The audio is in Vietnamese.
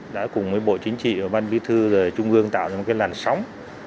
đã cùng với bộ chính trị và ban bí thư rồi trung ương tạo ra một cái làn sóng